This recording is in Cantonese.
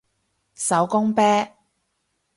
手工啤